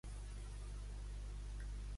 A què es dedica l'activista hongkonguès?